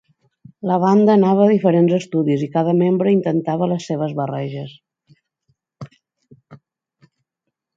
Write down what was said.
La banda anava a diferents estudis i cada membre intentava les seves barreges.